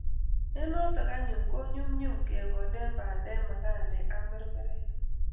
Eng' notok anyun ko nyumnyum kekole bandek magandek ak marmarek